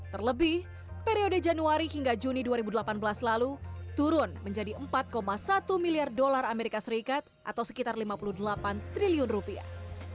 terlebih periode januari hingga juni dua ribu delapan belas lalu turun menjadi empat satu miliar dolar amerika serikat atau sekitar lima puluh delapan triliun rupiah